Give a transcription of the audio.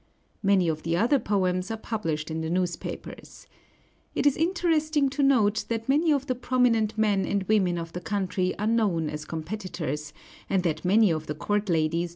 Many of the other poems are published in the newspapers. It is interesting to note that many of the prominent men and women of the country are known as competitors, and that many of the court ladies join in the contest.